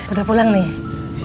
udah pulang nih